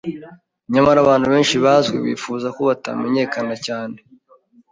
Nyamara, abantu benshi bazwi bifuza ko batamenyekana cyane